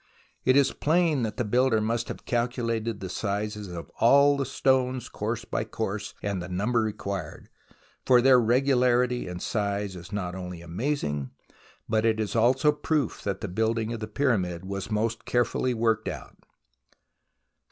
It is plain that the builder must have calculated the sizes of all the stones course by course and the number required, for their regularity in size is not only amazing, but is also proof that the building of the Pyramid was most carefully worked out.